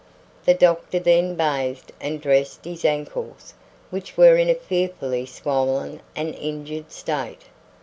The doctor then bathed and dressed his ankles, which were in a fearfully swollen and injured state.